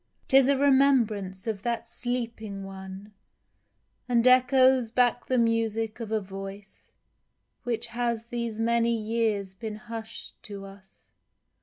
'Tis a remembrance of that Sleeping One, And echoes back the music of a voice Which has these many years been hush'd to us